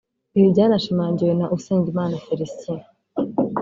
Ibi byanashimangiwe na Usengumukiza Félicien